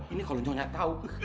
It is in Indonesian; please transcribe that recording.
ini kalau nyonya tau